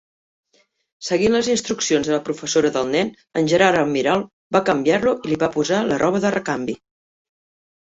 Seguint les instruccions de la professora del nen, en Gerald Amirault va canviar-lo i li va posar la roba de recanvi.